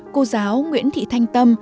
cô giáo nguyễn thị thanh tâm